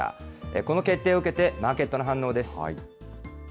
この決定を受けてマーケットの反応です。